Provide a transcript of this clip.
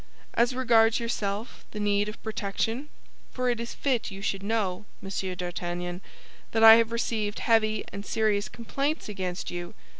As regards yourself, the need of protection; for it is fit you should know, Monsieur d'Artagnan, that I have received heavy and serious complaints against you.